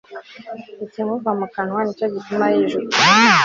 ikimuva mu kanwa ni cyo gituma yijuta